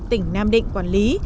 tỉnh nam định quản lý